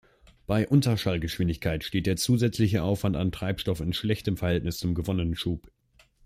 Bei Unterschallgeschwindigkeit steht der zusätzliche Aufwand an Treibstoff in schlechtem Verhältnis zum gewonnenen Schub.